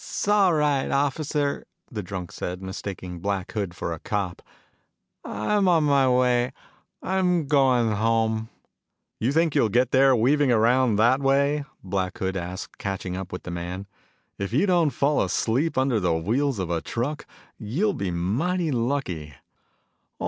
"'S all right, officer," the drunk said, mistaking Black Hood for a cop. "I'm on my way. I'm goin' home." "You think you'll get there, weaving around that way?" Black Hood asked, catching up with the man. "If you don't fall asleep under the wheels of a truck you'll be mighty lucky."